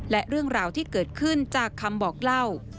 และเรื่องราวที่เกิดขึ้นจากคำบอกเล่า